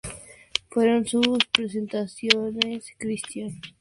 Fueron sus presentadores Christian Johnson y Ximena Aulestia.